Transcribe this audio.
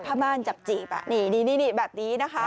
ม่านจับจีบนี่แบบนี้นะคะ